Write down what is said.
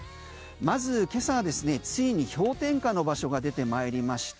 まず今朝はついに氷点下の場所が出てまいりました。